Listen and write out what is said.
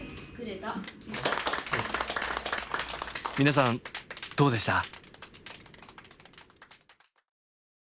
皆さんどうでした？